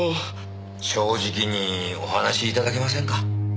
正直にお話し頂けませんか？